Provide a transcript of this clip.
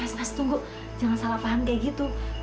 mas mas tunggu jangan salah paham kayak gitu